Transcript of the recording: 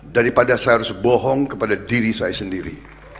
daripada saya harus bohong kepada diri saya sendiri